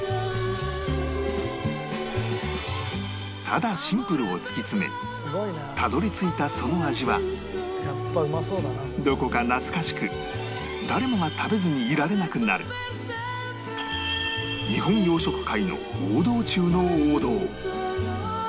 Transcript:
ただシンプルを突き詰めたどりついたその味はどこか懐かしく誰もが食べずにいられなくなる日本洋食界の王道中の王道